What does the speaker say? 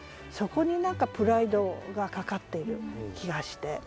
そこに何かプライドがかかっている気がして。